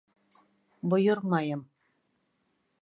Бойормайым.